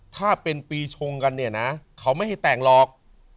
ถ้าเป็นปีชงกันเนี่ยนะเขาไม่ให้แต่งหรอก